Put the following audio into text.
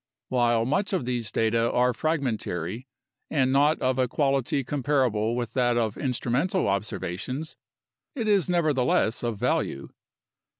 While much of these data are fragmentary and not of a quality comparable with that of instrumental observations, it is nevertheless of value.